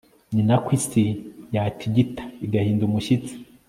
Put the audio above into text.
ni na ko isi yatigitaga, igahinda umushyitsi